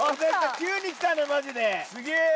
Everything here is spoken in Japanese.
急にきたねマジで。